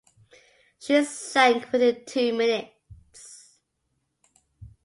She sank within two minutes.